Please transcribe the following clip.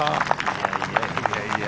いやいや、いやいや。